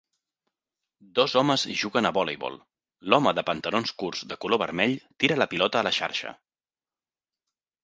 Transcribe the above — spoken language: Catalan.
Dos homes juguen a voleibol, l'home de pantalons curts de color vermell tira la pilota a la xarxa.